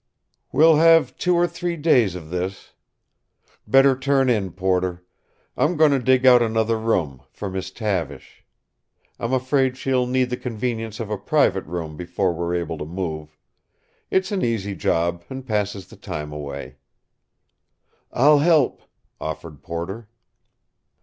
"We'll have two or three days of this. Better turn in, Porter. I'm going to dig out another room for Miss Tavish. I'm afraid she'll need the convenience of a private room before we're able to move. It's an easy job and passes the time away." "I'll help," offered Porter.